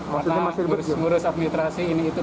karena ngurus ngurus administrasi ini itu